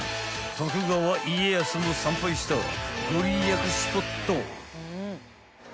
［徳川家康も参拝した御利益スポット］